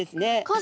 傘。